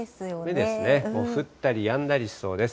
降ったりやんだりしそうです。